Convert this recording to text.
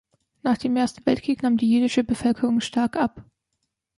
Nach dem ersten Weltkrieg nahm die jüdische Bevölkerung stark ab.